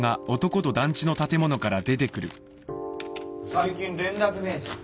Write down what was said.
最近連絡ねえじゃん。